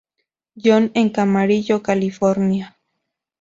John en Camarillo, California.